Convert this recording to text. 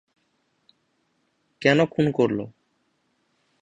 কেন খুন করল?